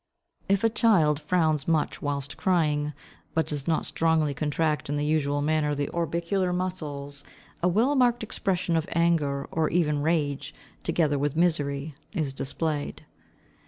If a child (see Plate IV., fig. 2) frowns much whilst crying, but does not strongly contract in the usual manner the orbicular muscles, a well marked expression of anger or even of rage, together with misery, is displayed.